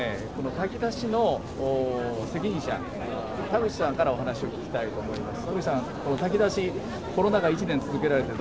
炊き出しの責任者田口さんからお話を聞きたいと思います。